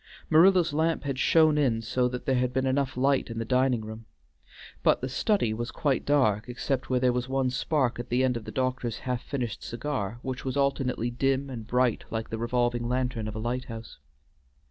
Marilla's lamp had shone in so that there had been light enough in the dining room, but the study was quite dark except where there was one spark at the end of the doctor's half finished cigar, which was alternately dim and bright like the revolving lantern of a lighthouse.